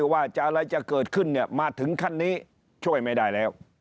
ว่าอะไรจะเกิดขึ้นเนี่ยมาถึงขั้นนี้ช่วยไม่ได้แล้ว